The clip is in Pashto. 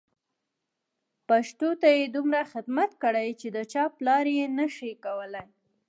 پښتو ته یې دومره خدمت کړی چې د چا پلار یې نه شي کولای.